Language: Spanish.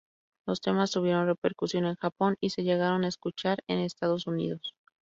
Los temas tuvieron repercusión en Japón y se llegaron a escuchar en Estados Unidos.